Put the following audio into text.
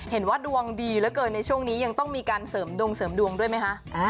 เห็นว่าดวงดีเหลือเกินในช่วงนี้ยังต้องมีการเสริมดวงเสริมดวงด้วยไหมคะ